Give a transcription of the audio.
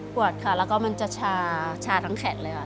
ปวดค่ะแล้วก็มันจะชาทั้งแขนเลยค่ะ